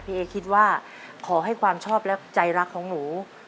เอคิดว่าขอให้ความชอบและใจรักของหนู